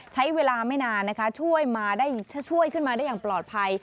ใช้เวลาไม่นานนะคะช่วยขึ้นมาได้อย่างปลอดภัย